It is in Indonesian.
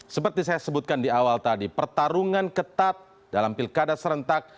seperti saya sebutkan di awal tadi pertarungan ketat dalam pilkada serentak